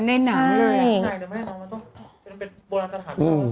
ใช่ใช่แต่ไม่มันต้องเป็นบรรคฐาน